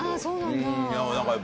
そうなんだ。